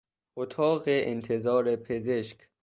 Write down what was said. اتاق انتظار پزشک